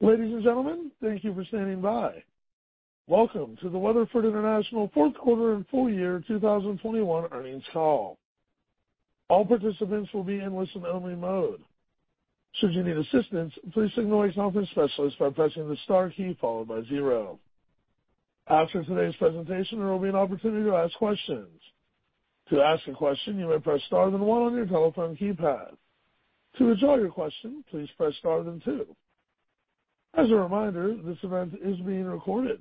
Ladies and gentlemen, thank you for standing by. Welcome to the Weatherford International Fourth Quarter and Full Year 2021 earnings call. All participants will be in listen only mode. Should you need assistance, please signal a conference specialist by pressing the star key followed by zero. After today's presentation, there will be an opportunity to ask questions. To ask a question, you may press star then one on your telephone keypad. To withdraw your question, please press star then two. As a reminder, this event is being recorded.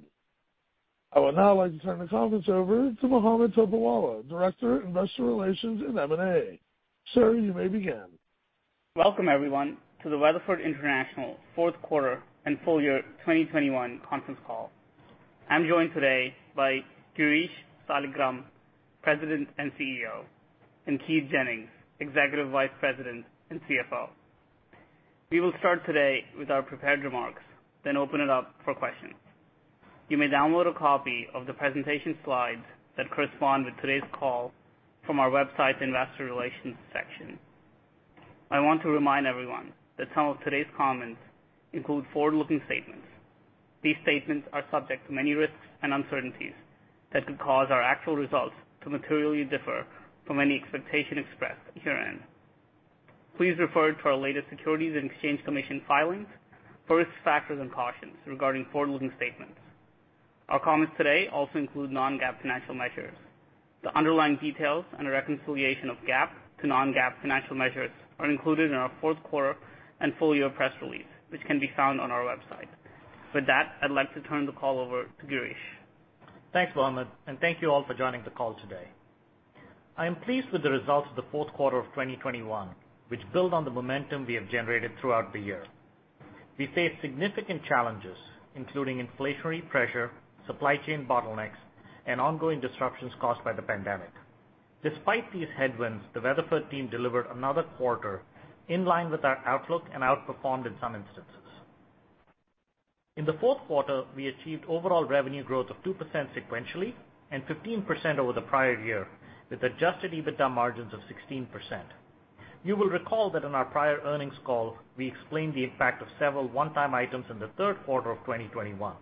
I would now like to turn the conference over to Mohammed Topiwala, Director, Investor Relations and M&A. Sir, you may begin. Welcome everyone to the Weatherford International fourth quarter and full year 2021 conference call. I'm joined today by Girish Saligram, President and CEO, and Keith Jennings, Executive Vice President and CFO. We will start today with our prepared remarks, then open it up for questions. You may download a copy of the presentation slides that correspond with today's call from our website's investor relations section. I want to remind everyone that some of today's comments include forward-looking statements. These statements are subject to many risks and uncertainties that could cause our actual results to materially differ from any expectation expressed herein. Please refer to our latest Securities and Exchange Commission filings for risk factors and cautions regarding forward-looking statements. Our comments today also include non-GAAP financial measures. The underlying details and a reconciliation of GAAP to non-GAAP financial measures are included in our fourth quarter and full year press release, which can be found on our website. With that, I'd like to turn the call over to Girish. Thanks, Mohammed, and thank you all for joining the call today. I am pleased with the results of the fourth quarter of 2021, which build on the momentum we have generated throughout the year. We face significant challenges, including inflationary pressure, supply chain bottlenecks, and ongoing disruptions caused by the pandemic. Despite these headwinds, the Weatherford team delivered another quarter in line with our outlook and outperformed in some instances. In the fourth quarter, we achieved overall revenue growth of 2% sequentially and 15% over the prior year, with adjusted EBITDA margins of 16%. You will recall that in our prior earnings call, we explained the impact of several one-time items in the third quarter of 2021.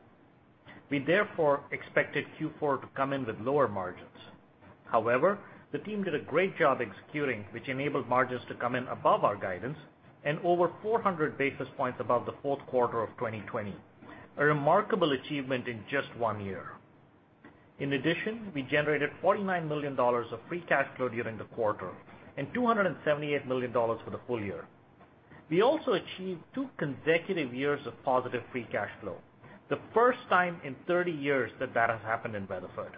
We therefore expected Q4 to come in with lower margins. However, the team did a great job executing, which enabled margins to come in above our guidance and over 400 basis points above the fourth quarter of 2020, a remarkable achievement in just one year. In addition, we generated $49 million of free cash flow during the quarter and $278 million for the full year. We also achieved two consecutive years of positive free cash flow, the first time in 30 years that that has happened in Weatherford.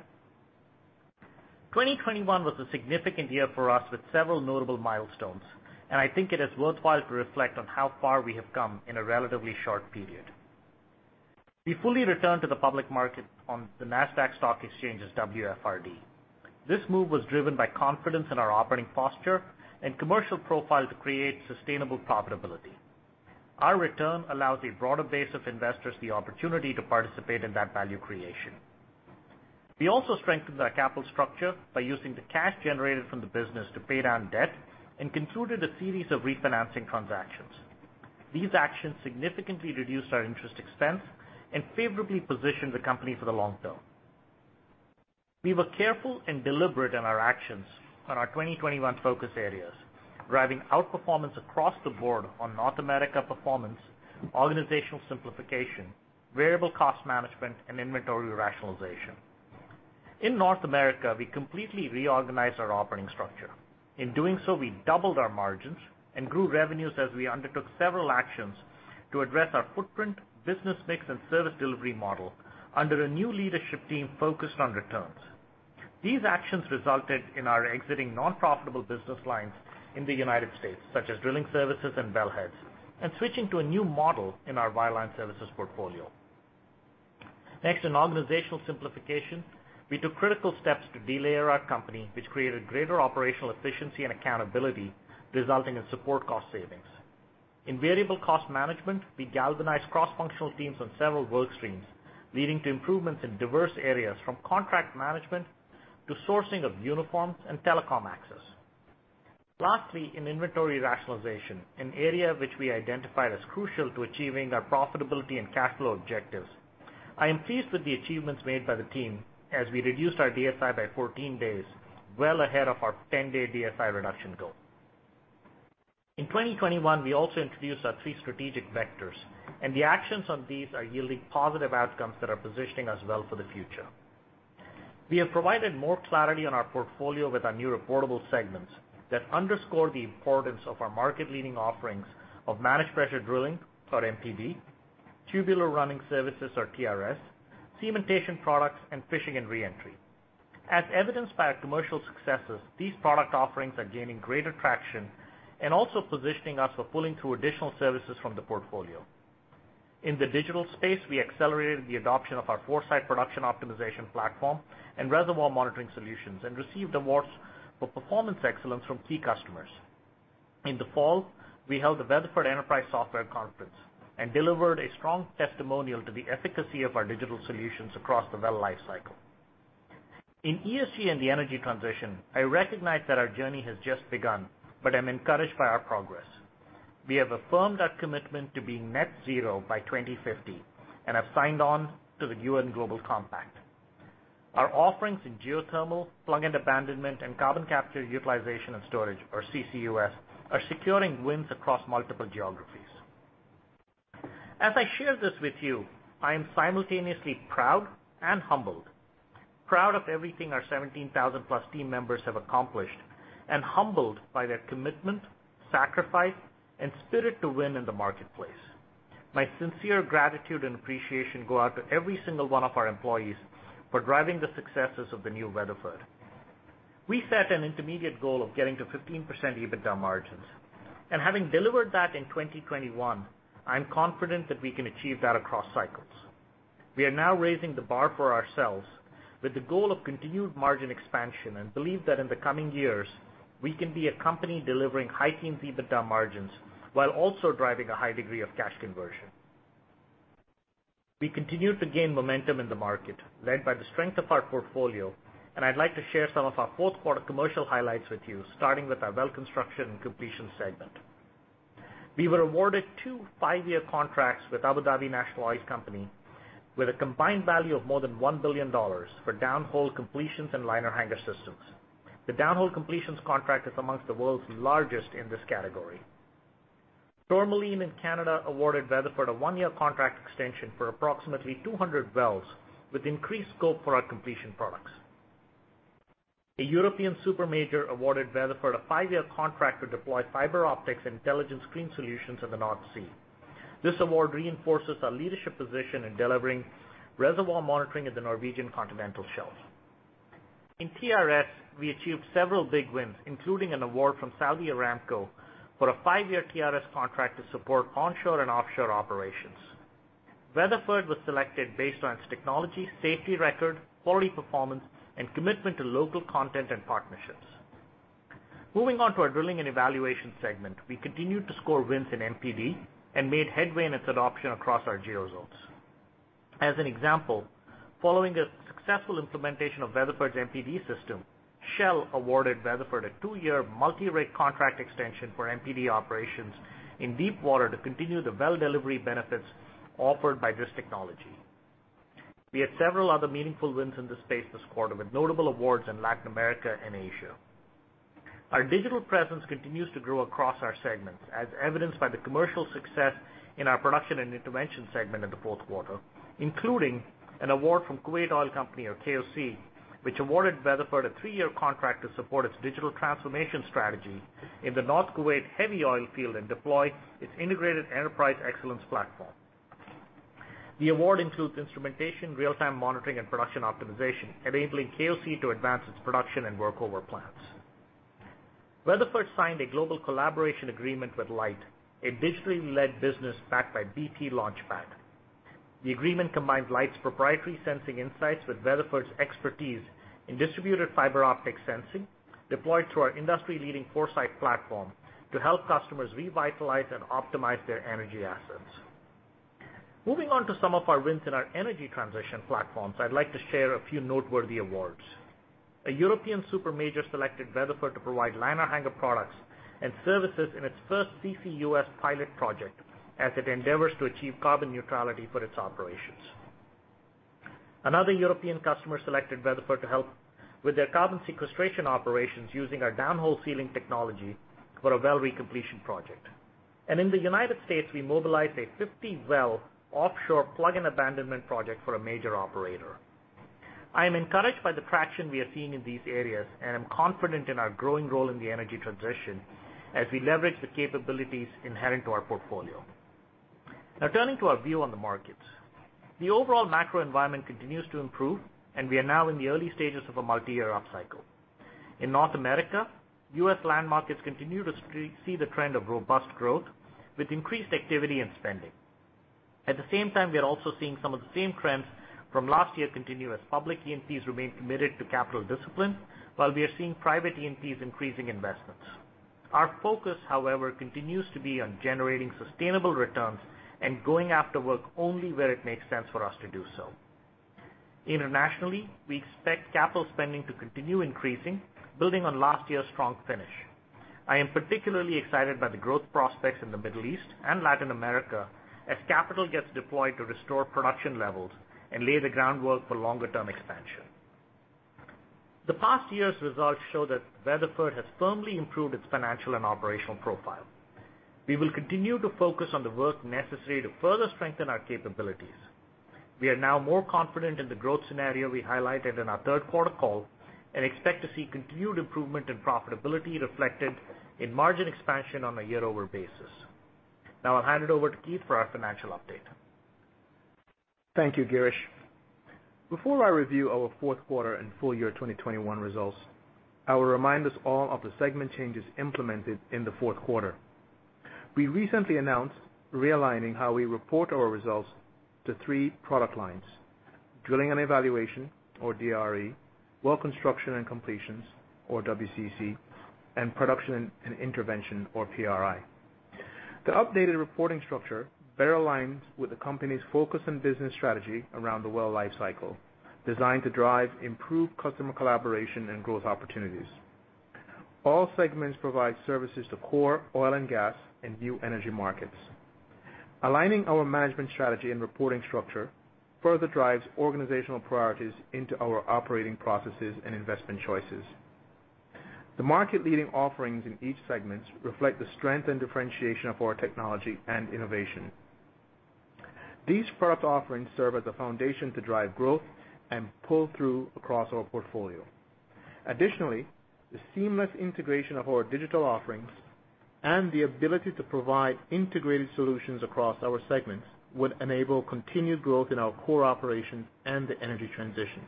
2021 was a significant year for us with several notable milestones, and I think it is worthwhile to reflect on how far we have come in a relatively short period. We fully returned to the public market on the Nasdaq Stock Exchange WFRD. This move was driven by confidence in our operating posture and commercial profile to create sustainable profitability. Our return allows a broader base of investors the opportunity to participate in that value creation. We also strengthened our capital structure by using the cash generated from the business to pay down debt and concluded a series of refinancing transactions. These actions significantly reduced our interest expense and favorably positioned the company for the long term. We were careful and deliberate in our actions on our 2021 focus areas, driving outperformance across the board on North America performance, organizational simplification, variable cost management, and inventory rationalization. In North America, we completely reorganized our operating structure. In doing so, we doubled our margins and grew revenues as we undertook several actions to address our footprint, business mix, and service delivery model under a new leadership team focused on returns. These actions resulted in our exiting non-profitable business lines in the United States, such as drilling services and wellheads, and switching to a new model in our wireline services portfolio. Next, in organizational simplification, we took critical steps to delayer our company, which created greater operational efficiency and accountability, resulting in support cost savings. In variable cost management, we galvanized cross-functional teams on several work streams, leading to improvements in diverse areas from contract management to sourcing of uniforms and telecom access. Lastly, in inventory rationalization, an area which we identified as crucial to achieving our profitability and cash flow objectives, I am pleased with the achievements made by the team as we reduced our DSI by 14 days, well ahead of our 10-day DSI reduction goal. In 2021, we also introduced our three strategic vectors, and the actions on these are yielding positive outcomes that are positioning us well for the future. We have provided more clarity on our portfolio with our new reportable segments that underscore the importance of our market-leading offerings of managed pressure drilling or MPD, tubular running services or TRS, cementation products, and fishing and re-entry. As evidenced by our commercial successes, these product offerings are gaining greater traction and also positioning us for pulling through additional services from the portfolio. In the digital space, we accelerated the adoption of our ForeSite production optimization platform and reservoir monitoring solutions and received awards for performance excellence from key customers. In the fall, we held the Weatherford Enterprise Software Conference and delivered a strong testimonial to the efficacy of our digital solutions across the well life cycle. In ESG and the energy transition, I recognize that our journey has just begun, but I'm encouraged by our progress. We have affirmed our commitment to being net zero by 2050, and have signed on to the UN Global Compact. Our offerings in geothermal, plug and abandonment, and carbon capture utilization and storage or CCUS are securing wins across multiple geographies. As I share this with you, I am simultaneously proud and humbled. Proud of everything our 17,000+ team members have accomplished, and humbled by their commitment, sacrifice, and spirit to win in the marketplace. My sincere gratitude and appreciation go out to every single one of our employees for driving the successes of the new Weatherford. We set an intermediate goal of getting to 15% EBITDA margins. Having delivered that in 2021, I'm confident that we can achieve that across cycles. We are now raising the bar for ourselves with the goal of continued margin expansion and believe that in the coming years, we can be a company delivering high-teen EBITDA margins while also driving a high degree of cash conversion. We continue to gain momentum in the market led by the strength of our portfolio, and I'd like to share some of our fourth quarter commercial highlights with you, starting with our Well Construction and Completions segment. We were awarded two five year contracts with Abu Dhabi National Oil Company with a combined value of more than $1 billion for downhole completions and liner hanger systems. The downhole completions contract is among the world's largest in this category. Tourmaline in Canada awarded Weatherford a one year contract extension for approximately 200 wells with increased scope for our completion products. A European super major awarded Weatherford a five year contract to deploy fiber optics and intelligent screen solutions in the North Sea. This award reinforces our leadership position in delivering reservoir monitoring in the Norwegian continental shelf. In TRS, we achieved several big wins, including an award from Saudi Aramco for a five year TRS contract to support onshore and offshore operations. Weatherford was selected based on its technology, safety record, quality performance, and commitment to local content and partnerships. Moving on to our Drilling and Evaluation segment, we continued to score wins in MPD and made headway in its adoption across our geo zones. As an example, following a successful implementation of Weatherford's MPD system, Shell awarded Weatherford a two-year multi-rig contract extension for MPD operations in deep water to continue the well delivery benefits offered by this technology. We had several other meaningful wins in this space this quarter, with notable awards in Latin America and Asia. Our digital presence continues to grow across our segments, as evidenced by the commercial success in our Production and Intervention segment in the fourth quarter, including an award from Kuwait Oil Company or KOC, which awarded Weatherford a three-year contract to support its digital transformation strategy in the North Kuwait heavy oil field and deploy its integrated enterprise excellence platform. The award includes instrumentation, real-time monitoring and production optimization, enabling KOC to advance its production and work over plans. Weatherford signed a global collaboration agreement with LYTT, a digitally led business backed by bp Launchpad. The agreement combines LYTT's proprietary sensing insights with Weatherford's expertise in distributed fiber optic sensing deployed through our industry-leading ForeSite platform to help customers revitalize and optimize their energy assets. Moving on to some of our wins in our energy transition platforms, I'd like to share a few noteworthy awards. A European super major selected Weatherford to provide liner hanger products and services in its first CCUS pilot project as it endeavors to achieve carbon neutrality for its operations. Another European customer selected Weatherford to help with their carbon sequestration operations using our downhole sealing technology for a well recompletion project. In the United States, we mobilized a 50-well offshore plug and abandonment project for a major operator. I am encouraged by the traction we are seeing in these areas, and I'm confident in our growing role in the energy transition as we leverage the capabilities inherent to our portfolio. Now turning to our view on the markets. The overall macro environment continues to improve, and we are now in the early stages of a multi-year upcycle. In North America, U.S. land markets continue to see the trend of robust growth with increased activity and spending. At the same time, we are also seeing some of the same trends from last year continue as public E&Ps remain committed to capital discipline while we are seeing private E&Ps increasing investments. Our focus, however, continues to be on generating sustainable returns and going after work only where it makes sense for us to do so. Internationally, we expect capital spending to continue increasing, building on last year's strong finish. I am particularly excited by the growth prospects in the Middle East and Latin America as capital gets deployed to restore production levels and lay the groundwork for longer-term expansion. The past year's results show that Weatherford has firmly improved its financial and operational profile. We will continue to focus on the work necessary to further strengthen our capabilities. We are now more confident in the growth scenario we highlighted in our third quarter call and expect to see continued improvement in profitability reflected in margin expansion on a year-over-year basis. Now I'll hand it over to Keith for our financial update. Thank you, Girish. Before I review our fourth quarter and full year 2021 results, I will remind us all of the segment changes implemented in the fourth quarter. We recently announced realigning how we report our results to three product lines, drilling and evaluation or DRE, well construction and completions or WCC, and production and intervention or PRI. The updated reporting structure better aligns with the company's focus and business strategy around the well life cycle, designed to drive improved customer collaboration and growth opportunities. All segments provide services to core oil and gas and new energy markets. Aligning our management strategy and reporting structure further drives organizational priorities into our operating processes and investment choices. The market-leading offerings in each segments reflect the strength and differentiation of our technology and innovation. These product offerings serve as a foundation to drive growth and pull through across our portfolio. Additionally, the seamless integration of our digital offerings and the ability to provide integrated solutions across our segments would enable continued growth in our core operations and the energy transition.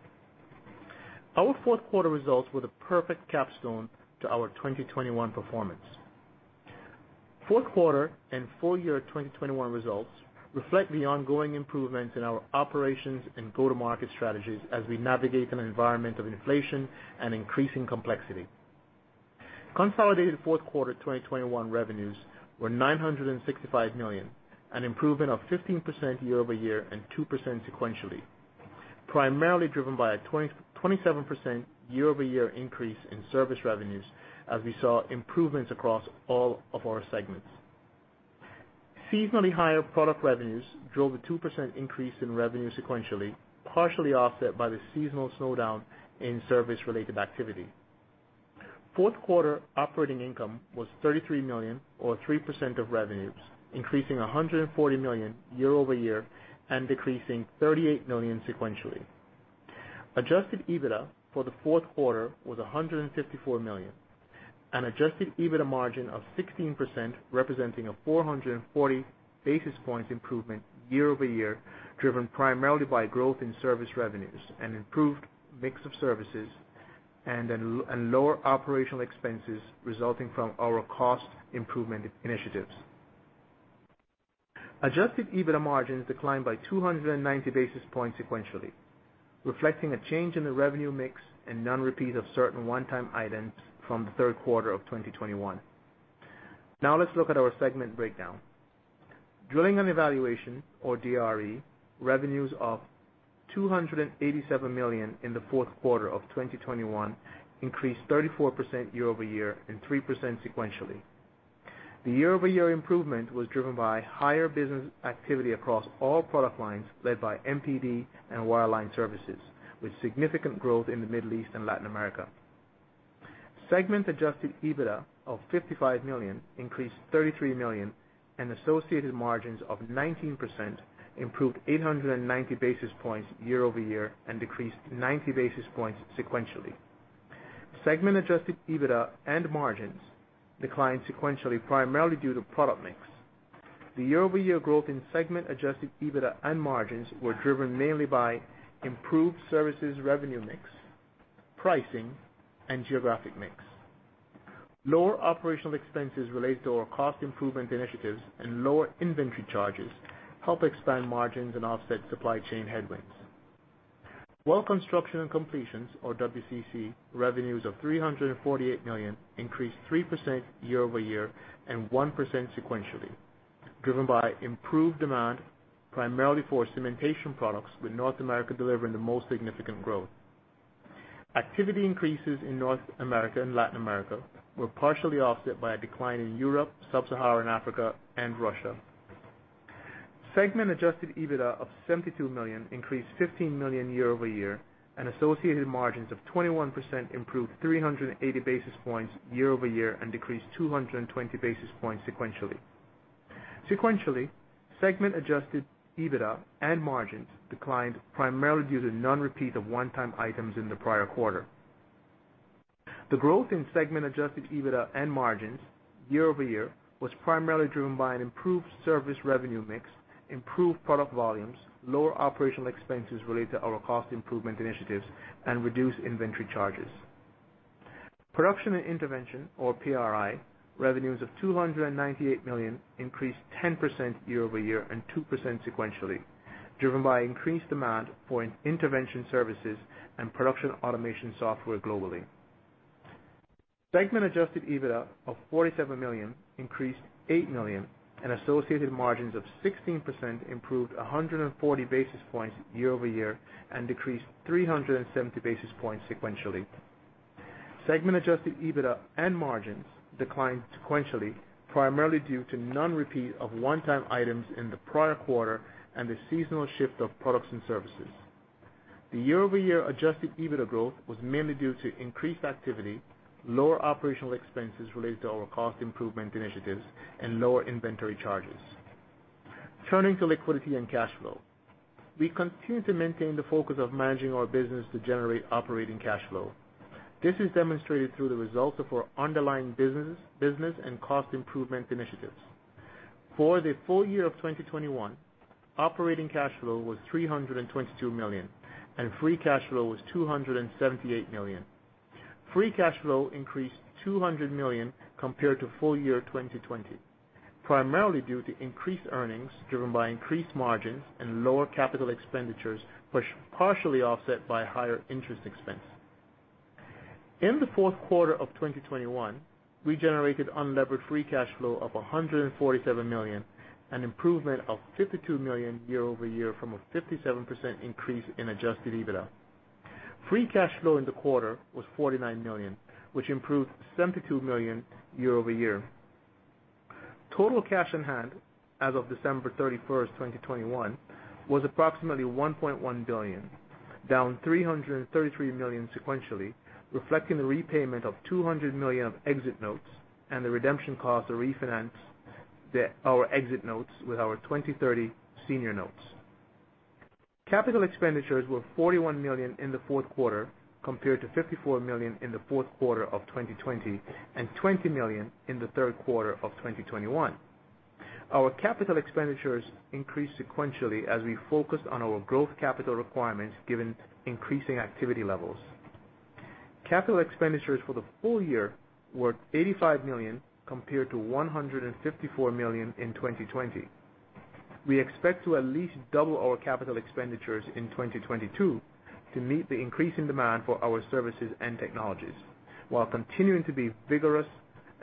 Our fourth quarter results were the perfect capstone to our 2021 performance. Fourth quarter and full year 2021 results reflect the ongoing improvements in our operations and go-to-market strategies as we navigate an environment of inflation and increasing complexity. Consolidated fourth quarter 2021 revenues were $965 million, an improvement of 15% year-over-year and 2% sequentially, primarily driven by a 27% year-over-year increase in service revenues as we saw improvements across all of our segments. Seasonally higher product revenues drove a 2% increase in revenue sequentially, partially offset by the seasonal slowdown in service-related activity. Fourth quarter operating income was $33 million or 3% of revenues, increasing $140 million year-over-year and decreasing $38 million sequentially. Adjusted EBITDA for the fourth quarter was $154 million, an adjusted EBITDA margin of 16%, representing a 440 basis points improvement year-over-year, driven primarily by growth in service revenues, an improved mix of services, and lower operational expenses resulting from our cost improvement initiatives. Adjusted EBITDA margins declined by 290 basis points sequentially, reflecting a change in the revenue mix and non-repeat of certain one-time items from the third quarter of 2021. Now let's look at our segment breakdown. Drilling and Evaluation, or DRE, revenues of $287 million in the fourth quarter of 2021 increased 34% year-over-year and 3% sequentially. The year-over-year improvement was driven by higher business activity across all product lines led by MPD and wireline services, with significant growth in the Middle East and Latin America. Segment adjusted EBITDA of $55 million increased $33 million and associated margins of 19% improved 890 basis points year-over-year and decreased 90 basis points sequentially. Segment adjusted EBITDA and margins declined sequentially primarily due to product mix. The year-over-year growth in segment adjusted EBITDA and margins were driven mainly by improved services revenue mix, pricing, and geographic mix. Lower operational expenses related to our cost improvement initiatives and lower inventory charges help expand margins and offset supply chain headwinds. Well Construction and Completions, or WCC, revenues of $348 million increased 3% year-over-year and 1% sequentially, driven by improved demand primarily for cementation products, with North America delivering the most significant growth. Activity increases in North America and Latin America were partially offset by a decline in Europe, sub-Saharan Africa and Russia. Segment adjusted EBITDA of $72 million increased $15 million year-over-year, and associated margins of 21% improved 380 basis points year-over-year and decreased 220 basis points sequentially. Sequentially, segment adjusted EBITDA and margins declined primarily due to non-repeat of one-time items in the prior quarter. The growth in segment adjusted EBITDA and margins year-over-year was primarily driven by an improved service revenue mix, improved product volumes, lower operational expenses related to our cost improvement initiatives, and reduced inventory charges. Production and Intervention or PRI revenues of $298 million increased 10% year-over-year and 2% sequentially, driven by increased demand for intervention services and production automation software globally. Segment adjusted EBITDA of $47 million increased $8 million and associated margins of 16% improved 140 basis points year-over-year and decreased 370 basis points sequentially. Segment adjusted EBITDA and margins declined sequentially, primarily due to non-repeat of one-time items in the prior quarter and the seasonal shift of products and services. The year-over-year adjusted EBITDA growth was mainly due to increased activity, lower operational expenses related to our cost improvement initiatives and lower inventory charges. Turning to liquidity and cash flow. We continue to maintain the focus of managing our business to generate operating cash flow. This is demonstrated through the results of our underlying business and cost improvement initiatives. For the full year of 2021, operating cash flow was $322 million, and free cash flow was $278 million. Free cash flow increased $200 million compared to full year 2020, primarily due to increased earnings driven by increased margins and lower capital expenditures, partially offset by higher interest expense. In the fourth quarter of 2021, we generated unlevered free cash flow of $147 million, an improvement of $52 million year-over-year from a 57% increase in adjusted EBITDA. Free cash flow in the quarter was $49 million, which improved $72 million year-over-year. Total cash on hand as of December 31, 2021 was approximately $1.1 billion, down $333 million sequentially, reflecting the repayment of $200 million of Exit Notes and the redemption costs to refinance our Exit Notes with our 2030 Senior Notes. Capital expenditures were $41 million in the fourth quarter, compared to $54 million in the fourth quarter of 2020 and $20 million in the third quarter of 2021. Our capital expenditures increased sequentially as we focused on our growth capital requirements given increasing activity levels. Capital expenditures for the full year were $85 million, compared to $154 million in 2020. We expect to at least double our capital expenditures in 2022 to meet the increasing demand for our services and technologies while continuing to be vigorous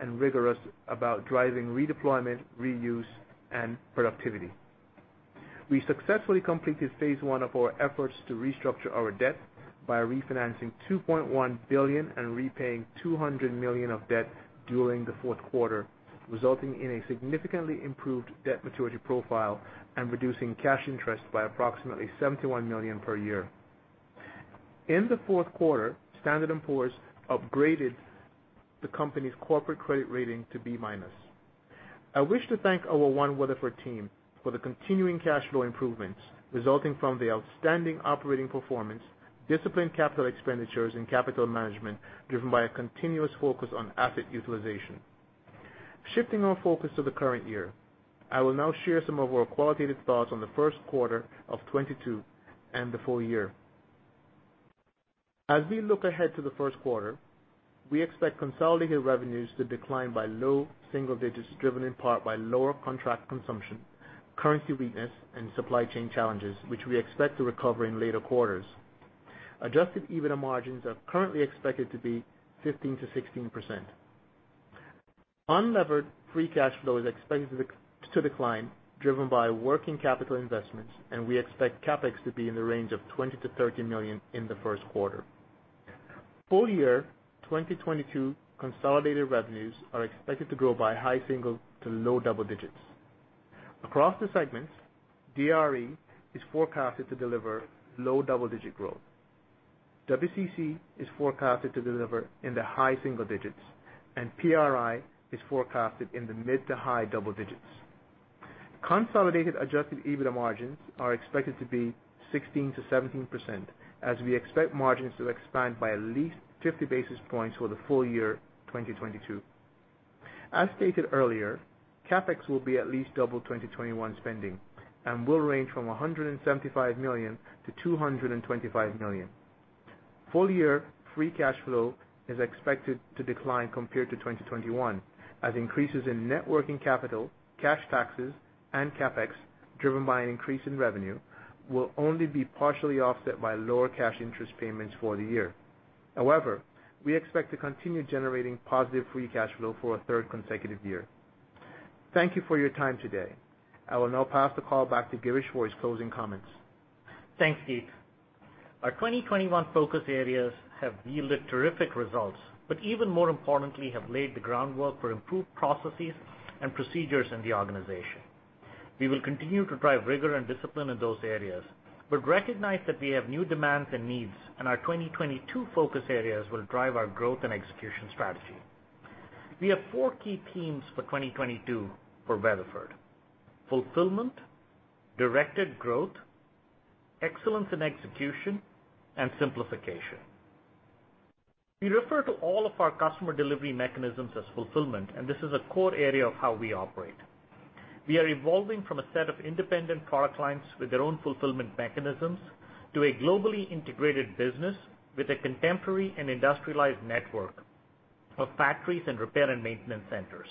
and rigorous about driving redeployment, reuse, and productivity. We successfully completed phase one of our efforts to restructure our debt by refinancing $2.1 billion and repaying $200 million of debt during the fourth quarter, resulting in a significantly improved debt maturity profile and reducing cash interest by approximately $71 million per year. In the fourth quarter, Standard & Poor's upgraded the company's corporate credit rating to B minus. I wish to thank our One Weatherford team for the continuing cash flow improvements resulting from the outstanding operating performance, disciplined capital expenditures and capital management driven by a continuous focus on asset utilization. Shifting our focus to the current year, I will now share some of our qualitative thoughts on the first quarter of 2022 and the full year. As we look ahead to the first quarter, we expect consolidated revenues to decline by low single-digit %, driven in part by lower contract consumption, currency weakness, and supply chain challenges, which we expect to recover in later quarters. Adjusted EBITDA margins are currently expected to be 15%-16%. Unlevered free cash flow is expected to decline, driven by working capital investments, and we expect CapEx to be in the range of $20 million-$30 million in the first quarter. Full year 2022 consolidated revenues are expected to grow by high single- to low double-digit %. Across the segments, DRE is forecasted to deliver low double-digit % growth. WCC is forecasted to deliver in the high single-digit %, and PRI is forecasted in the mid- to high double-digit %. Consolidated adjusted EBITDA margins are expected to be 16%-17% as we expect margins to expand by at least 50 basis points for the full year 2022. CapEx will be at least double 2021 spending and will range from $175 million-$225 million. Full year free cash flow is expected to decline compared to 2021 as increases in net working capital, cash taxes, and CapEx, driven by an increase in revenue, will only be partially offset by lower cash interest payments for the year. However, we expect to continue generating positive free cash flow for a third consecutive year. Thank you for your time today. I will now pass the call back to Girish for his closing comments. Thanks, Keith. Our 2021 focus areas have yielded terrific results, but even more importantly, have laid the groundwork for improved processes and procedures in the organization. We will continue to drive rigor and discipline in those areas, but recognize that we have new demands and needs, and our 2022 focus areas will drive our growth and execution strategy. We have four key themes for 2022 for Weatherford: fulfillment, directed growth, excellence in execution, and simplification. We refer to all of our customer delivery mechanisms as fulfillment, and this is a core area of how we operate. We are evolving from a set of independent product lines with their own fulfillment mechanisms to a globally integrated business with a contemporary and industrialized network of factories and repair and maintenance centers.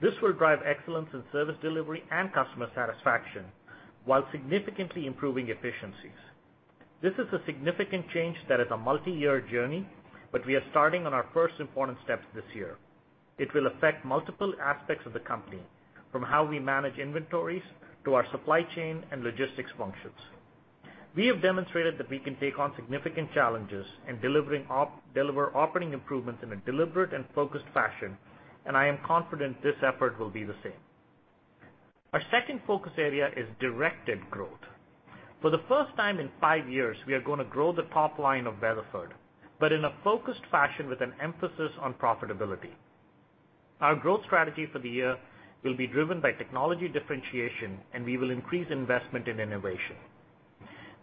This will drive excellence in service delivery and customer satisfaction while significantly improving efficiencies. This is a significant change that is a multi-year journey, but we are starting on our first important steps this year. It will affect multiple aspects of the company, from how we manage inventories to our supply chain and logistics functions. We have demonstrated that we can take on significant challenges in delivering operating improvements in a deliberate and focused fashion, and I am confident this effort will be the same. Our second focus area is directed growth. For the first time in five years, we are gonna grow the top line of Weatherford, but in a focused fashion with an emphasis on profitability. Our growth strategy for the year will be driven by technology differentiation, and we will increase investment in innovation.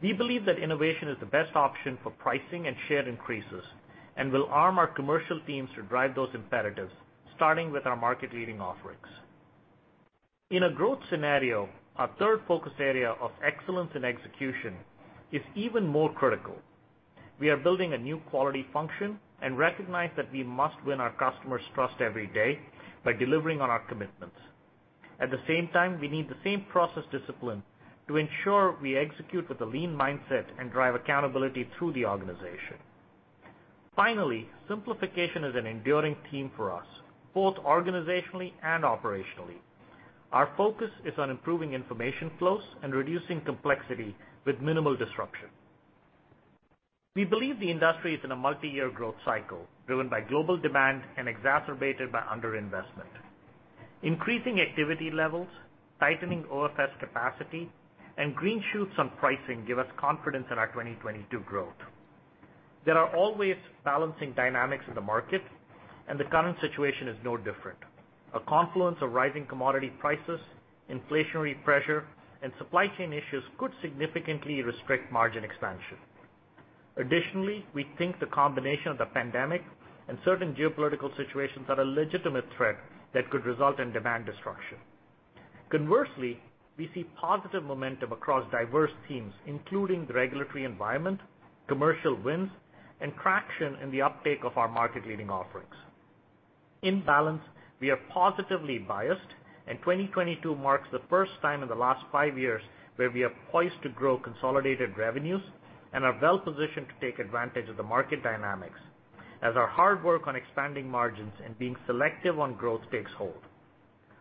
We believe that innovation is the best option for pricing and share increases and will arm our commercial teams to drive those imperatives, starting with our market-leading offerings. In a growth scenario, our third focus area of excellence in execution is even more critical. We are building a new quality function and recognize that we must win our customers' trust every day by delivering on our commitments. At the same time, we need the same process discipline to ensure we execute with a lean mindset and drive accountability through the organization. Finally, simplification is an enduring theme for us, both organizationally and operationally. Our focus is on improving information flows and reducing complexity with minimal disruption. We believe the industry is in a multi-year growth cycle, driven by global demand and exacerbated by under-investment. Increasing activity levels, tightening OFS capacity, and green shoots on pricing give us confidence in our 2022 growth. There are always balancing dynamics in the market, and the current situation is no different. A confluence of rising commodity prices, inflationary pressure, and supply chain issues could significantly restrict margin expansion. Additionally, we think the combination of the pandemic and certain geopolitical situations are a legitimate threat that could result in demand destruction. Conversely, we see positive momentum across diverse teams, including the regulatory environment, commercial wins, and traction in the uptake of our market-leading offerings. In balance, we are positively biased, and 2022 marks the first time in the last five years where we are poised to grow consolidated revenues and are well positioned to take advantage of the market dynamics as our hard work on expanding margins and being selective on growth takes hold.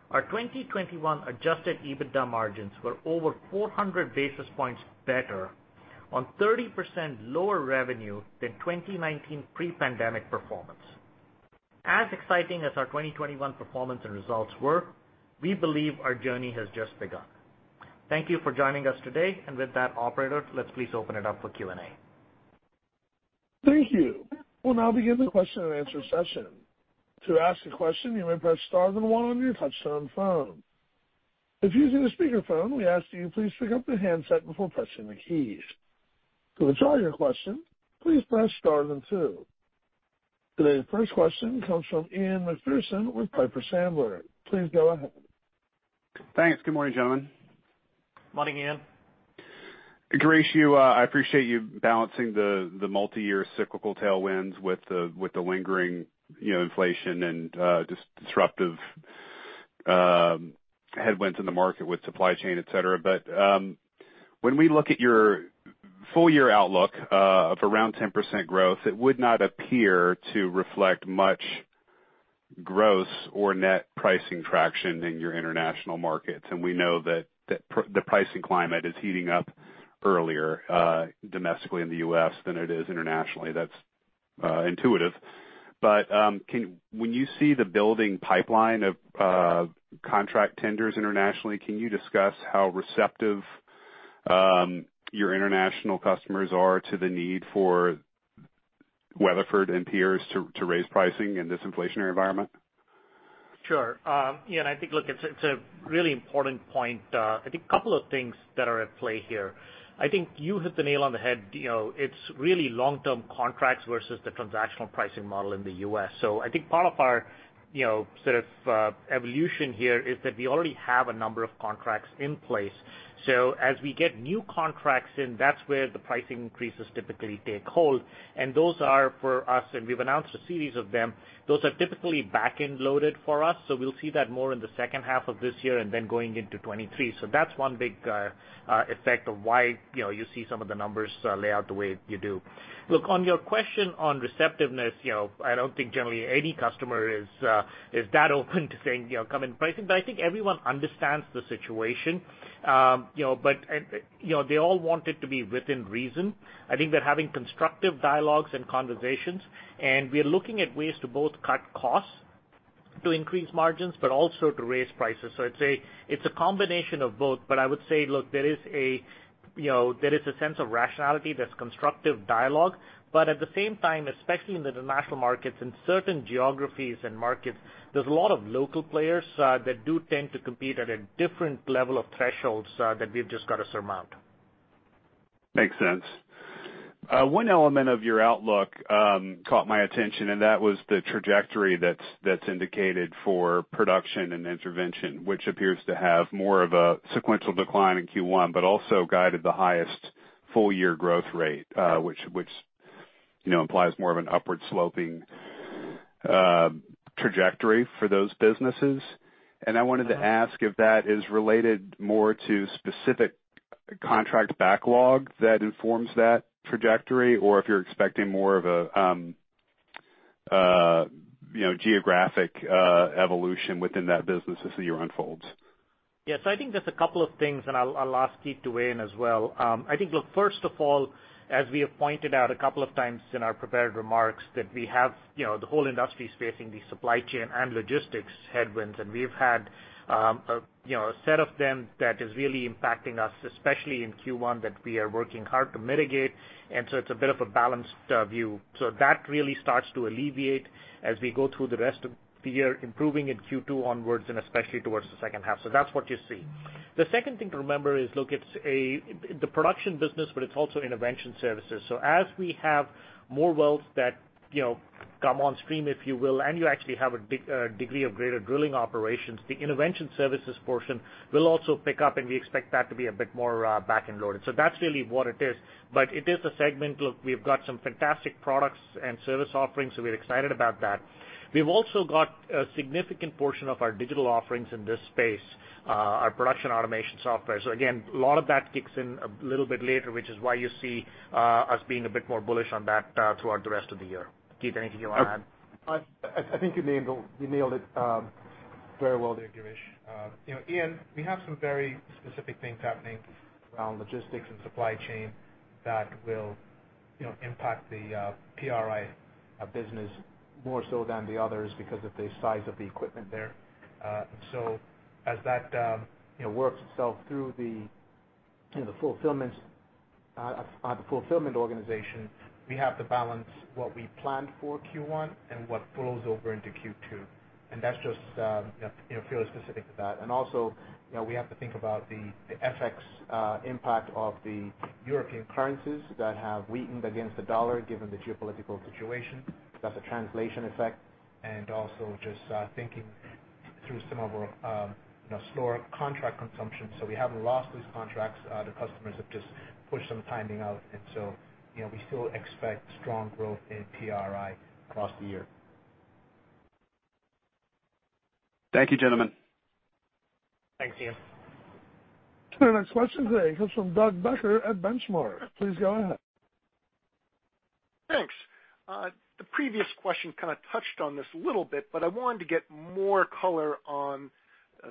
Our 2021 adjusted EBITDA margins were over 400 basis points better on 30% lower revenue than 2019 pre-pandemic performance. As exciting as our 2021 performance and results were, we believe our journey has just begun. Thank you for joining us today. With that, operator, let's please open it up for Q&A. Thank you. We'll now begin the question-and-answer session. To ask a question, you may press star then one on your touch-tone phone. If using a speakerphone, we ask that you please pick up the handset before pressing the keys. To withdraw your question, please press star then two. Today's first question comes from Ian Macpherson with Piper Sandler. Please go ahead. Thanks. Good morning, gentlemen. Morning, Ian. Girish, I appreciate you balancing the multi-year cyclical tailwinds with the lingering, you know, inflation and disruptive headwinds in the market with supply chain, et cetera. When we look at your full year outlook of around 10% growth, it would not appear to reflect much gross or net pricing traction in your international markets. We know that the pricing climate is heating up earlier domestically in the U.S. than it is internationally. That's intuitive. When you see the building pipeline of contract tenders internationally, can you discuss how receptive your international customers are to the need for Weatherford and peers to raise pricing in this inflationary environment? Sure. Yeah. I think, look, it's a really important point. I think couple of things that are at play here. I think you hit the nail on the head. You know, it's really long-term contracts versus the transactional pricing model in the US. I think part of our, you know, sort of, evolution here is that we already have a number of contracts in place. So as we get new contracts in, that's where the pricing increases typically take hold. And those are for us, and we've announced a series of them, those are typically back-end loaded for us. So we'll see that more in the second half of this year and then going into 2023. So that's one big effect of why, you know, you see some of the numbers lay out the way you do. Look, on your question on receptiveness, you know, I don't think generally any customer is that open to saying, you know, come and price it. I think everyone understands the situation. You know, they all want it to be within reason. I think they're having constructive dialogues and conversations, and we're looking at ways to both cut costs to increase margins, but also to raise prices. I'd say it's a combination of both. I would say, look, there is a sense of rationality. There's constructive dialogue. At the same time, especially in the international markets, in certain geographies and markets, there's a lot of local players that do tend to compete at a different level of thresholds that we've just got to surmount. Makes sense. One element of your outlook caught my attention, and that was the trajectory that's indicated for production and intervention, which appears to have more of a sequential decline in Q1, but also guided the highest full year growth rate, which you know implies more of an upward sloping trajectory for those businesses. I wanted to ask if that is related more to specific contract backlog that informs that trajectory, or if you're expecting more of a you know geographic evolution within that business as the year unfolds. Yes. I think there's a couple of things, and I'll ask Keith to weigh in as well. I think, look, first of all, as we have pointed out a couple of times in our prepared remarks, that we have, you know, the whole industry is facing these supply chain and logistics headwinds. We've had, you know, a set of them that is really impacting us, especially in Q1, that we are working hard to mitigate. It's a bit of a balanced view. That really starts to alleviate as we go through the rest of the year, improving in Q2 onwards and especially towards the second half. That's what you see. The second thing to remember is, look, it's the production business, but it's also intervention services. As we have more wells that, you know, come on stream, if you will, and you actually have a greater degree of drilling operations, the intervention services portion will also pick up, and we expect that to be a bit more back-end loaded. That's really what it is. It is the segment. Look, we've got some fantastic products and service offerings, so we're excited about that. We've also got a significant portion of our digital offerings in this space, our production automation software. Again, a lot of that kicks in a little bit later, which is why you see us being a bit more bullish on that throughout the rest of the year. Keith, anything you wanna add? I think you nailed it very well there, Girish. You know, Ian, we have some very specific things happening around logistics and supply chain that will, you know, impact the PRI business more so than the others because of the size of the equipment there. As that, you know, works itself through the, you know, fulfillment organization, we have to balance what we planned for Q1 and what flows over into Q2, and that's just, you know, fairly specific to that. Also, you know, we have to think about the FX impact of the European currencies that have weakened against the dollar given the geopolitical situation. That's a translation effect, and also just thinking through some of our, you know, slower contract consumption. We haven't lost those contracts. The customers have just pushed some timing out. You know, we still expect strong growth in PRI across the year. Thank you, gentlemen. Thanks, Ian. Our next question today comes from Doug Becker at Benchmark. Please go ahead. Thanks. The previous question kinda touched on this a little bit, but I wanted to get more color on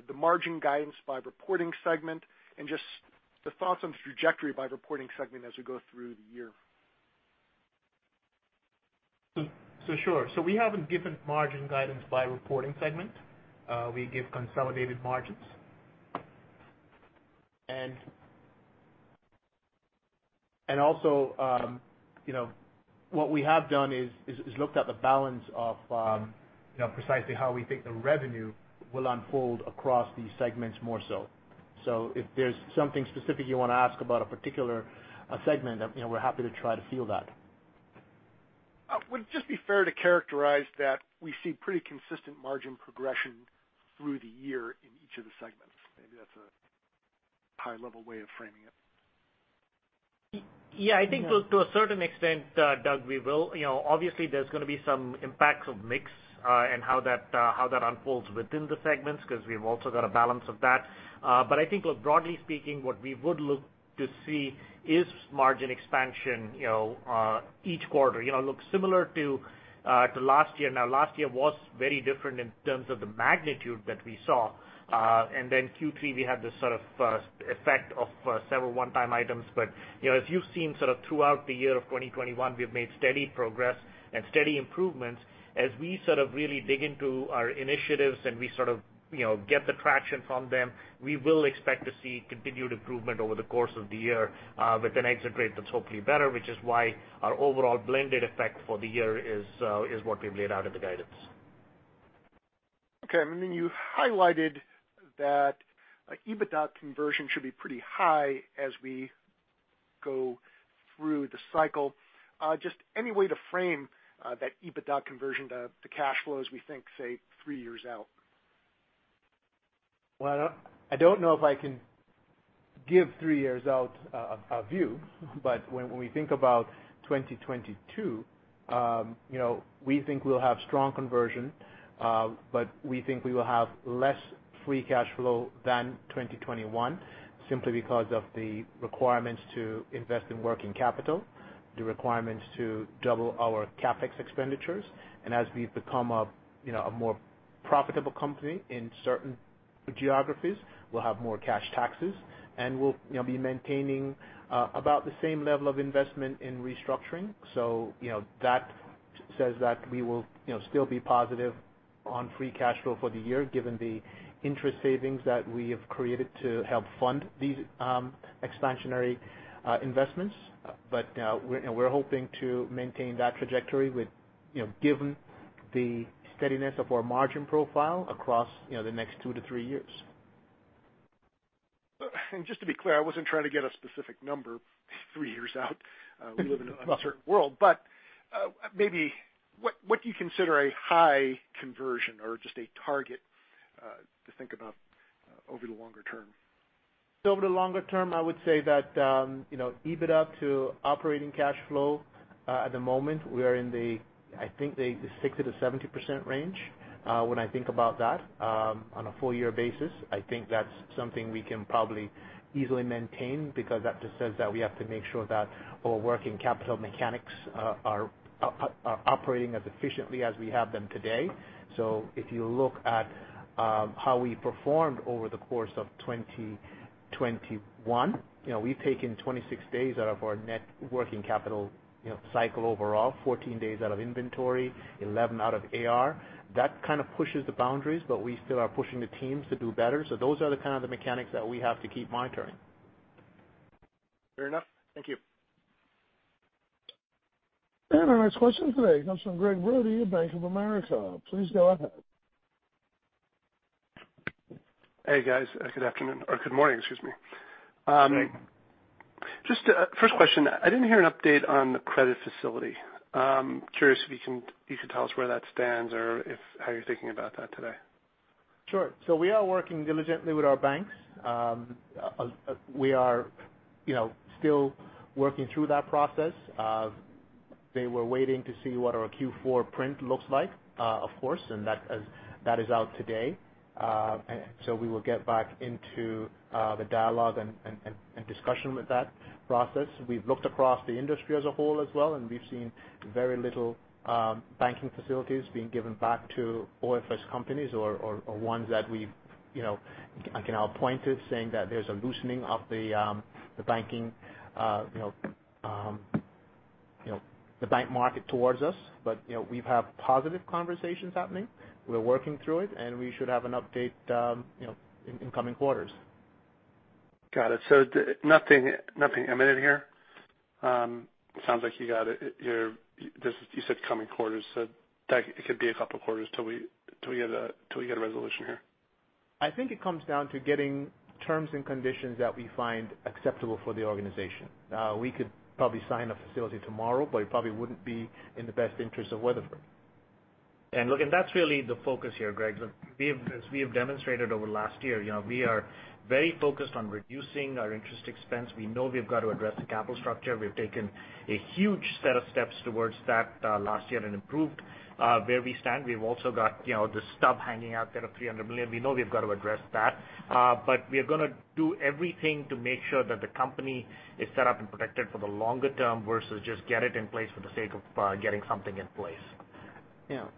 the margin guidance by reporting segment and just the thoughts on the trajectory by reporting segment as we go through the year. Sure. We haven't given margin guidance by reporting segment. We give consolidated margins. What we have done is looked at the balance of precisely how we think the revenue will unfold across these segments more so. If there's something specific you wanna ask about a particular segment, we're happy to try to field that. Would it just be fair to characterize that we see pretty consistent margin progression through the year in each of the segments? Maybe that's a high-level way of framing it. Yeah, I think to a certain extent, Doug, we will. You know, obviously, there's gonna be some impacts of mix and how that unfolds within the segments 'cause we've also got a balance of that. I think, look, broadly speaking, what we would look to see is margin expansion, you know, each quarter. You know, look similar to last year. Now, last year was very different in terms of the magnitude that we saw. Q3, we had this sort of effect of several one-time items. You know, as you've seen sort of throughout the year of 2021, we've made steady progress and steady improvements. As we sort of really dig into our initiatives and we sort of, you know, get the traction from them, we will expect to see continued improvement over the course of the year, with an exit rate that's hopefully better, which is why our overall blended effect for the year is what we've laid out in the guidance. Okay. You highlighted that, like, EBITDA conversion should be pretty high as we go through the cycle. Just any way to frame that EBITDA conversion to cash flows we think, say, three years out? Well, I don't know if I can give three years out a view. When we think about 2022, you know, we think we'll have strong conversion, but we think we will have less free cash flow than 2021 simply because of the requirements to invest in working capital, the requirements to double our CapEx expenditures. As we've become a, you know, a more profitable company in certain geographies, we'll have more cash taxes, and we'll, you know, be maintaining about the same level of investment in restructuring. You know, that says that we will, you know, still be positive on free cash flow for the year given the interest savings that we have created to help fund these expansionary investments. We're hoping to maintain that trajectory with, you know, given the steadiness of our margin profile across, you know, the next two to three years. Just to be clear, I wasn't trying to get a specific number three years out. We live in an uncertain world. Maybe what do you consider a high conversion or just a target to think about over the longer term? Over the longer term, I would say that, you know, EBITDA to operating cash flow, at the moment we are in the, I think, the 60%-70% range, when I think about that, on a full year basis. I think that's something we can probably easily maintain because that just says that we have to make sure that our working capital mechanics, are operating as efficiently as we have them today. If you look at, how we performed over the course of 2021, you know, we've taken 26 days out of our net working capital, you know, cycle overall, 14 days out of inventory, 11 out of AR. That kind of pushes the boundaries, but we still are pushing the teams to do better. Those are the kind of the mechanics that we have to keep monitoring. Fair enough. Thank you. Our next question today comes from Gregg Brody of Bank of America. Please go ahead. Hey, guys. Good afternoon or good morning, excuse me. Greg. Just, first question. I didn't hear an update on the credit facility. I'm curious if you could tell us where that stands or how you're thinking about that today. Sure. We are working diligently with our banks. We are, you know, still working through that process. They were waiting to see what our Q4 print looks like, of course, and that is out today. We will get back into the dialogue and discussion with that process. We've looked across the industry as a whole as well, and we've seen very little banking facilities being given back to OFS companies or ones that we've, you know, I can now point to saying that there's a loosening of the banking, you know, the bank market towards us. We have positive conversations happening. We're working through it, and we should have an update, you know, in coming quarters. Got it. Nothing imminent here? Sounds like you said coming quarters, so that it could be a couple of quarters till we get a resolution here. I think it comes down to getting terms and conditions that we find acceptable for the organization. We could probably sign a facility tomorrow, but it probably wouldn't be in the best interest of Weatherford. Look, that's really the focus here, Greg. We have, as we have demonstrated over the last year, you know, we are very focused on reducing our interest expense. We know we've got to address the capital structure. We've taken a huge set of steps towards that last year and improved where we stand. We've also got, you know, the stub hanging out there of $300 million. We know we've got to address that, but we are gonna do everything to make sure that the company is set up and protected for the longer term versus just get it in place for the sake of getting something in place.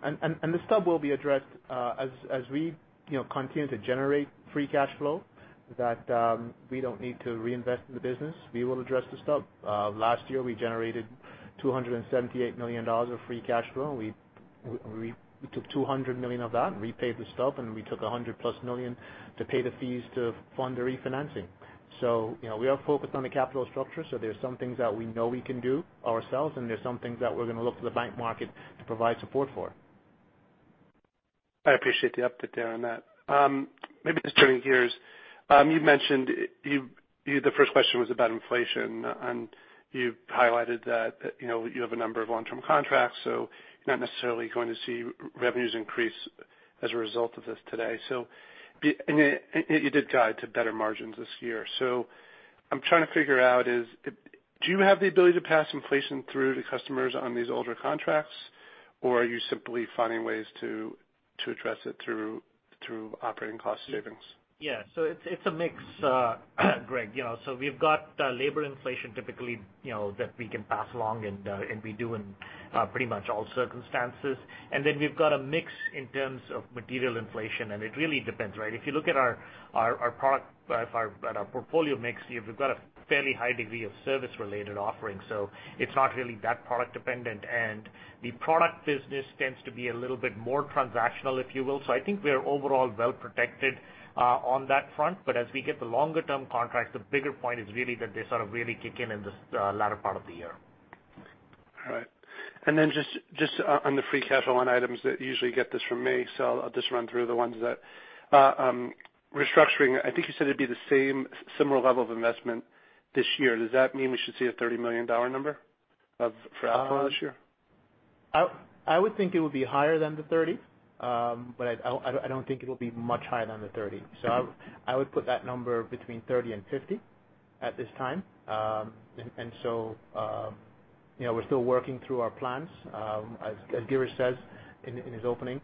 The stub will be addressed as we, you know, continue to generate free cash flow that we don't need to reinvest in the business. We will address the stub. Last year, we generated $278 million of free cash flow, and we took $200 million of that and repaid the stub, and we took $100+ million to pay the fees to fund the refinancing. You know, we are focused on the capital structure, so there's some things that we know we can do ourselves, and there's some things that we're gonna look to the bank market to provide support for. I appreciate the update there on that. Maybe just turning gears. You've mentioned the first question was about inflation, and you highlighted that, you know, you have a number of long-term contracts, so you're not necessarily going to see revenues increase as a result of this today. Yeah, and it did tie to better margins this year. I'm trying to figure out is it do you have the ability to pass inflation through to customers on these older contracts, or are you simply finding ways to address it through operating cost savings? It's a mix, Greg. You know, we've got labor inflation typically, you know, that we can pass along and we do in pretty much all circumstances. Then we've got a mix in terms of material inflation, and it really depends, right? If you look at our product at our portfolio mix, we've got a fairly high degree of service-related offerings, so it's not really that product dependent. The product business tends to be a little bit more transactional, if you will. I think we are overall well protected on that front. As we get the longer term contracts, the bigger point is really that they sort of really kick in in this latter part of the year. All right. Just on the free cash flow line items that usually get this from me, so I'll just run through restructuring. I think you said it'd be the same similar level of investment this year. Does that mean we should see a $30 million number for outflow this year? I would think it would be higher than the 30, but I don't think it'll be much higher than the 30. I would put that number between 30 and 50 at this time. You know, we're still working through our plans. As Girish says in his opening,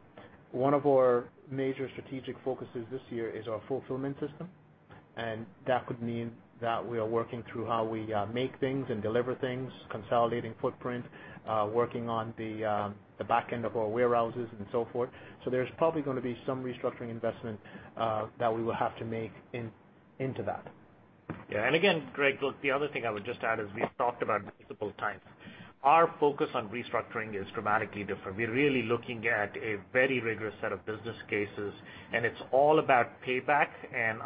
one of our major strategic focuses this year is our fulfillment system, and that could mean that we are working through how we make things and deliver things, consolidating footprint, working on the back end of our warehouses and so forth. There's probably gonna be some restructuring investment that we will have to make into that. Yeah. Again, Gregg, look, the other thing I would just add is we've talked about multiple times, our focus on restructuring is dramatically different. We're really looking at a very rigorous set of business cases, and it's all about payback.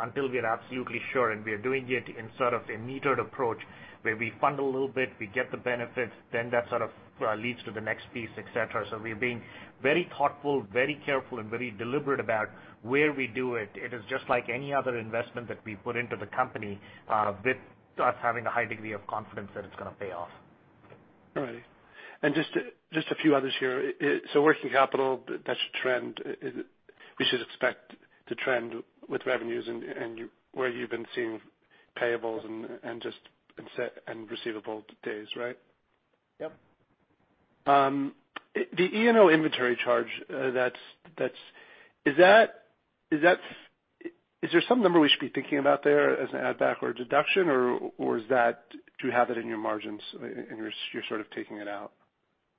Until we are absolutely sure, and we are doing it in sort of a metered approach where we fund a little bit, we get the benefits, then that sort of leads to the next piece, et cetera. We are being very thoughtful, very careful, and very deliberate about where we do it. It is just like any other investment that we put into the company, with us having a high degree of confidence that it's gonna pay off. All right. Just a few others here. Working capital that should trend, we should expect to trend with revenues and where you've been seeing payables and receivables days, right? Yep. The E&O inventory charge, that's. Is there some number we should be thinking about there as an add back or a deduction, or is that, do you have it in your margins and you're sort of taking it out,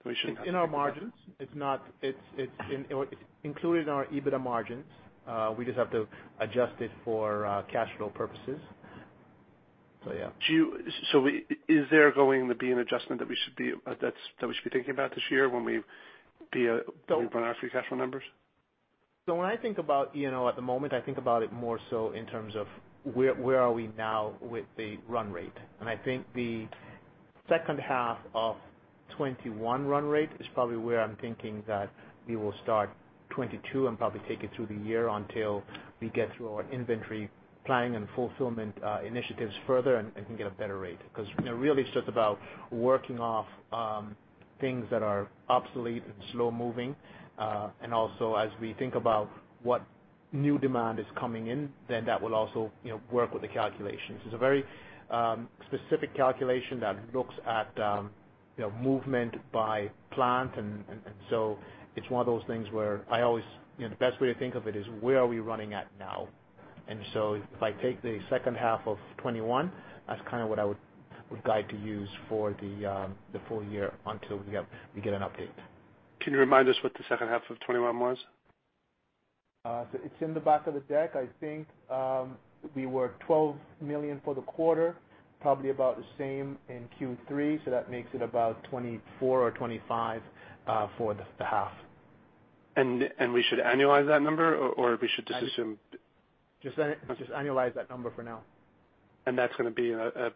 so we shouldn't have to think about it? In our margins. It's in, or it's included in our EBITDA margins. We just have to adjust it for cash flow purposes. Yeah. Is there going to be an adjustment that we should be thinking about this year when we run our free cash flow numbers? When I think about E&O at the moment, I think about it more so in terms of where are we now with the run rate. I think the second half of 2021 run rate is probably where I'm thinking that we will start 2022 and probably take it through the year until we get through our inventory planning and fulfillment initiatives further and can get a better rate. 'Cause, you know, really it's just about working off things that are obsolete and slow-moving. And also, as we think about what new demand is coming in, then that will also, you know, work with the calculations. It's a very specific calculation that looks at, you know, movement by plant. It's one of those things where I always, you know, the best way to think of it is where are we running at now? If I take the second half of 2021, that's kind of what I would guide to use for the full year until we get an update. Can you remind us what the second half of 2021 was? It's in the back of the deck. I think we were $12 million for the quarter, probably about the same in Q3, so that makes it about $24 or $25 for the half. We should annualize that number or we should just assume- Just annualize that number for now. That's gonna be a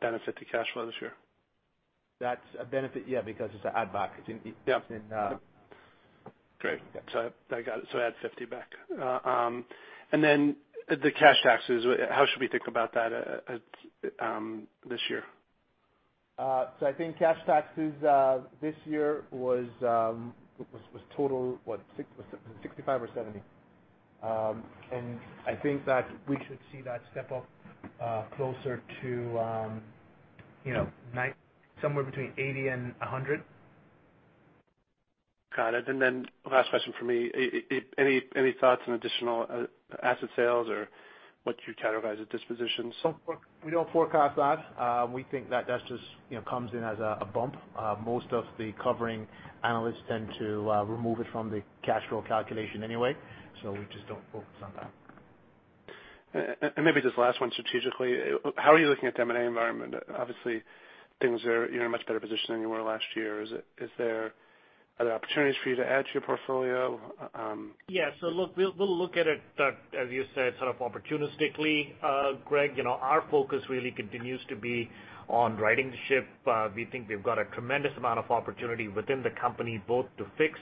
benefit to cash flow this year? That's a benefit, yeah, because it's an add back. It's in. Yeah. Great. I got it. Add 50 back. Then the cash taxes, how should we think about that this year? I think cash taxes this year was total $65 or $70. I think that we should see that step up closer to $90, somewhere between $80-$100. Got it. Last question from me. Any thoughts on additional asset sales or what you categorize as dispositions? We don't forecast that. We think that that's just, you know, comes in as a bump. Most of the covering analysts tend to remove it from the cash flow calculation anyway, so we just don't focus on that. Maybe just last one strategically. How are you looking at the M&A environment? Obviously, things are. You're in a much better position than you were last year. Is there other opportunities for you to add to your portfolio? Yeah. Look, we'll look at it, as you said, sort of opportunistically, Gregg. You know, our focus really continues to be on righting the ship. We think we've got a tremendous amount of opportunity within the company, both to fix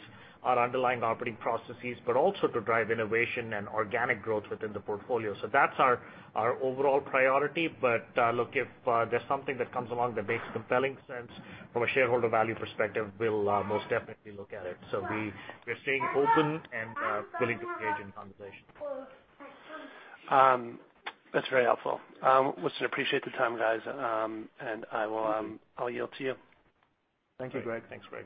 our underlying operating processes, but also to drive innovation and organic growth within the portfolio. That's our overall priority. Look, if there's something that comes along that makes compelling sense from a shareholder value perspective, we'll most definitely look at it. We're staying open and willing to engage in conversations. That's very helpful. Listen, appreciate the time, guys. I will, I'll yield to you. Thank you, Gregg. Thanks, Gregg.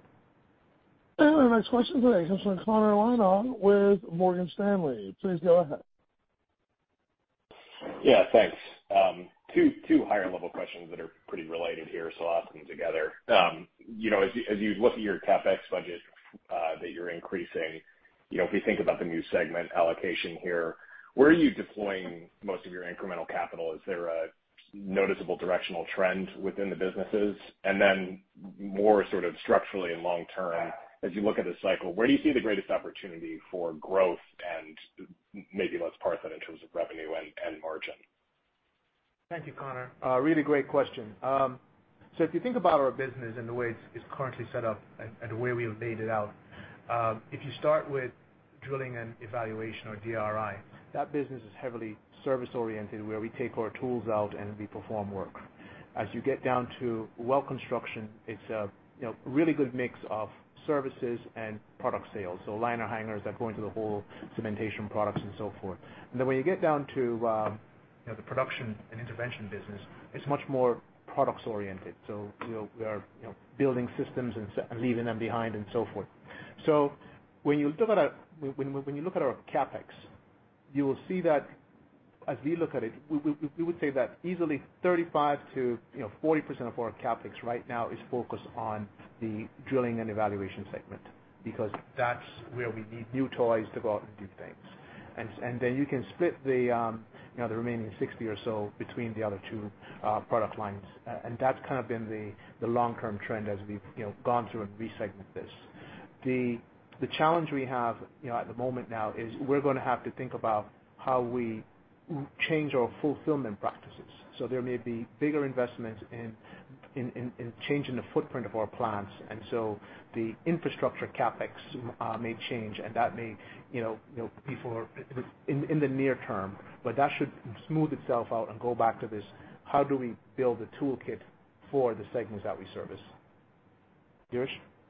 Our next question today comes from Connor Lynagh with Morgan Stanley. Please go ahead. Yeah, thanks. Two higher level questions that are pretty related here, so I'll ask them together. You know, as you look at your CapEx budget that you're increasing, you know, if we think about the new segment allocation here, where are you deploying most of your incremental capital? Is there a noticeable directional trend within the businesses? And then more sort of structurally and long term, as you look at the cycle, where do you see the greatest opportunity for growth and maybe less so in terms of revenue and margin? Thank you, Connor. Really great question. If you think about our business and the way it's currently set up and the way we have laid it out, if you start with Drilling and Evaluation or DRE, that business is heavily service-oriented, where we take our tools out and we perform work. As you get down to Well Construction, it's a you know really good mix of services and product sales. Liner hangers that go into the hole, cementation products and so forth. Then when you get down to the Production and Intervention business, it's much more products oriented. You know, we are you know building systems and leaving them behind and so forth. When you look at our CapEx, you will see that as we look at it, we would say that easily 35%-40% of our CapEx right now is focused on the Drilling and Evaluation segment because that's where we need new toys to go out and do things. Then you can split the remaining 60 or so between the other two product lines. That's kind of been the long-term trend as we've gone through and re-segmented this. The challenge we have at the moment now is we're gonna have to think about how we change our fulfillment practices. There may be bigger investments in changing the footprint of our plants. The infrastructure CapEx may change and that may, you know, before, in the near term. That should smooth itself out and go back to this, how do we build a toolkit for the segments that we service?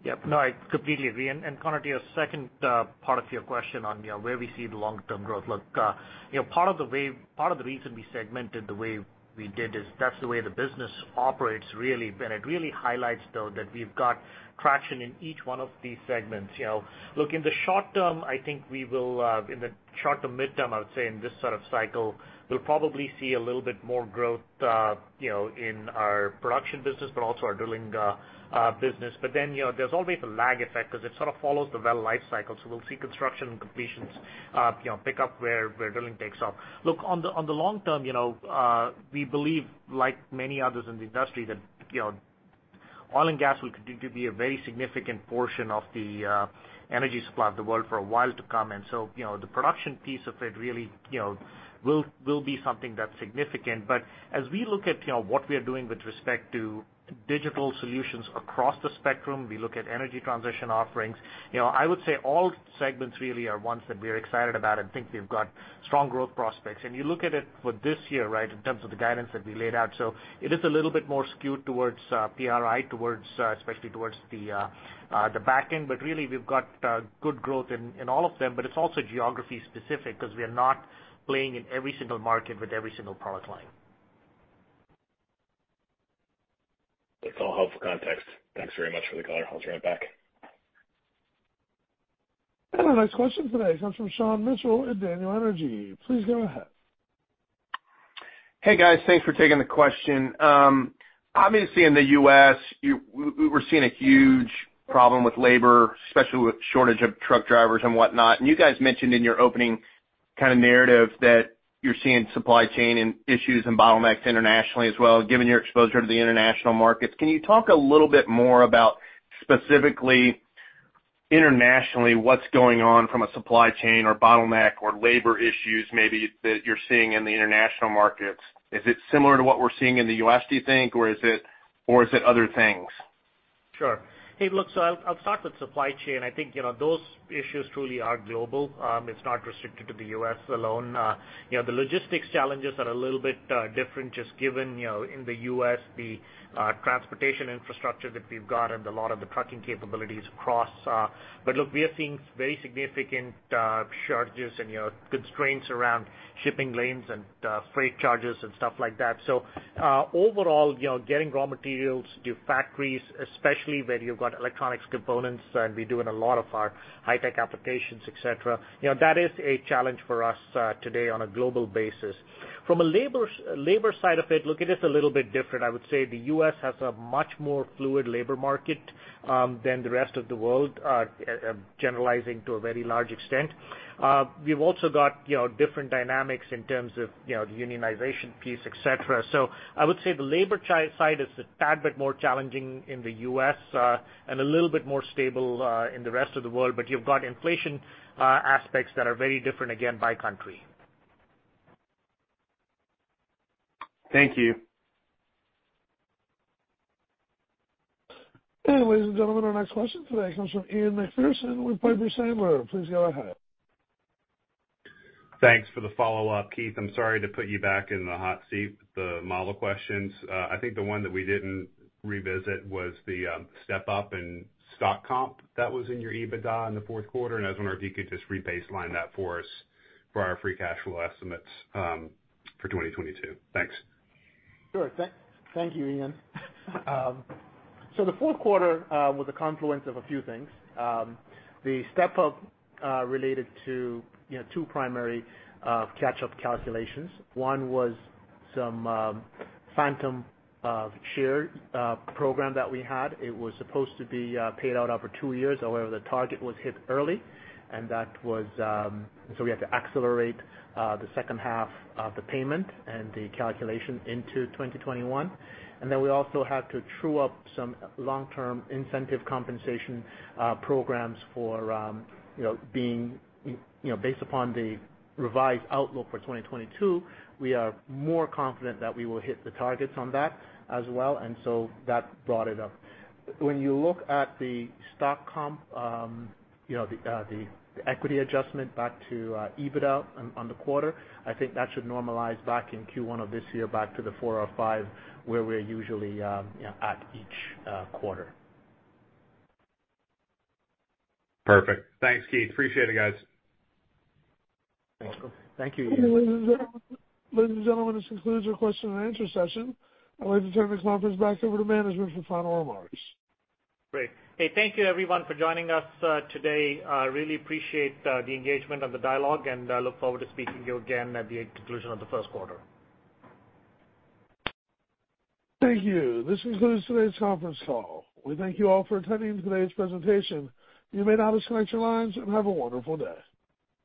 Girish? Yep. No, I completely agree. Connor, to your second part of your question on, you know, where we see the long-term growth. Look, you know, part of the reason we segmented the way we did is that's the way the business operates really. It really highlights, though, that we've got traction in each one of these segments. You know, look, in the short term, I think we will, in the short to mid-term, I would say in this sort of cycle, we'll probably see a little bit more growth, you know, in our production business but also our drilling business. But then, you know, there's always a lag effect 'cause it sort of follows the well life cycle. So we'll see construction and completions, you know, pick up where drilling takes off. Look, on the long term, you know, we believe like many others in the industry that, you know Oil and gas will continue to be a very significant portion of the energy supply of the world for a while to come. You know, the production piece of it really, you know, will be something that's significant. As we look at, you know, what we are doing with respect to digital solutions across the spectrum, we look at energy transition offerings, you know, I would say all segments really are ones that we are excited about and think we've got strong growth prospects. You look at it for this year, right, in terms of the guidance that we laid out. It is a little bit more skewed towards PRI, towards especially towards the back end, but really we've got good growth in all of them. It's also geography specific because we are not playing in every single market with every single product line. It's all helpful context. Thanks very much for the color. I'll turn it back. Our next question today comes from Sean Mitchell at Daniel Energy. Please go ahead. Hey, guys. Thanks for taking the question. Obviously in the U.S., we're seeing a huge problem with labor, especially with shortage of truck drivers and whatnot. You guys mentioned in your opening kind of narrative that you're seeing supply chain and issues and bottlenecks internationally as well. Given your exposure to the international markets, can you talk a little bit more about specifically internationally, what's going on from a supply chain or bottleneck or labor issues maybe that you're seeing in the international markets? Is it similar to what we're seeing in the U.S., do you think, or is it other things? Sure. Hey, look, I'll start with supply chain. I think, you know, those issues truly are global. It's not restricted to the U.S. alone. You know, the logistics challenges are a little bit different just given, you know, in the U.S., the transportation infrastructure that we've got and a lot of the trucking capabilities across. But look, we are seeing very significant shortages and, you know, constraints around shipping lanes and freight charges and stuff like that. Overall, you know, getting raw materials to factories, especially where you've got electronics components, and we do in a lot of our high-tech applications, et cetera, you know, that is a challenge for us today on a global basis. From a labor side of it, look, it is a little bit different. I would say the U.S. has a much more fluid labor market than the rest of the world, generalizing to a very large extent. We've also got, you know, different dynamics in terms of, you know, the unionization piece, et cetera. I would say the labor supply side is a tad bit more challenging in the U.S., and a little bit more stable in the rest of the world. You've got inflation aspects that are very different, again, by country. Thank you. Ladies and gentlemen, our next question today comes from Ian MacPherson with Piper Sandler. Please go ahead. Thanks for the follow-up, Keith. I'm sorry to put you back in the hot seat with the model questions. I think the one that we didn't revisit was the step-up in stock comp that was in your EBITDA in the fourth quarter. I was wondering if you could just rebaseline that for us for our free cash flow estimates for 2022. Thanks. Sure. Thank you, Ian. The fourth quarter was a confluence of a few things. The step-up related to, you know, two primary catch-up calculations. One was some phantom share program that we had. It was supposed to be paid out over two years. However, the target was hit early, so we had to accelerate the second half of the payment and the calculation into 2021. Then we also had to true up some long-term incentive compensation programs, you know, being based upon the revised outlook for 2022. We are more confident that we will hit the targets on that as well. That brought it up. When you look at the stock comp, you know, the equity adjustment back to EBITDA on the quarter, I think that should normalize back in Q1 of this year back to the 4%-5% where we're usually, you know, at each quarter. Perfect. Thanks, Keith. Appreciate it, guys. Thanks. Thank you, Ian. Ladies and gentlemen, this concludes our question and answer session. I'd like to turn the conference back over to management for final remarks. Great. Hey, thank you everyone for joining us today. I really appreciate the engagement and the dialogue, and I look forward to speaking to you again at the conclusion of the first quarter. Thank you. This concludes today's conference call. We thank you all for attending today's presentation. You may now disconnect your lines, and have a wonderful day.